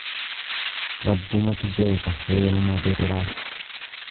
Rabbumatu beeka heeruma beeraa.